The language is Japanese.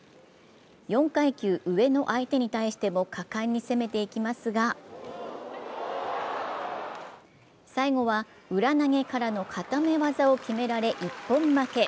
４階級上の相手に対しても果敢に攻めていきますが最後は裏投げからの固め技を決められ一本負け。